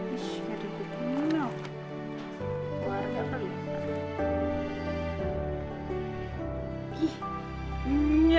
isi gara gara giniin dong